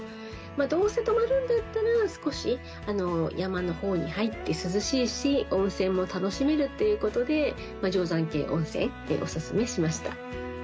どうせ泊まるんだったら、少し、山のほうに入って涼しいし、温泉も楽しめるということで、定山渓温泉、お勧めしました。